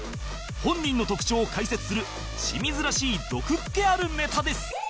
本人の特徴を解説する清水らしい毒っ気あるネタです